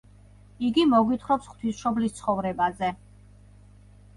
იგი მოგვითხრობს ღვთისმშობლის ცხოვრებაზე.